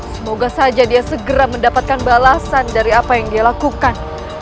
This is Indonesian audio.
semoga saja dia segera mendapatkan balasan dari apa yang dia lakukan